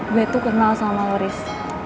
gue tuh kenal sama lo riz